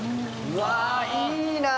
うわいいな。